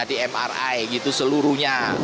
di mri seluruhnya